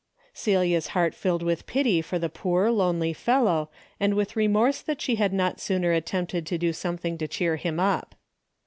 Celia's heart filled with pity for the poor lonely fellow and with remorse that she had not sooner attempted to do something to cheer him up.